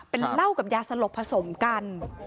เป็นเหล้ากับยาสลบผสมกัน